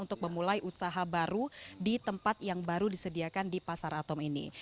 untuk memulai usaha baru di tempat yang baru disediakan di pasar atom ini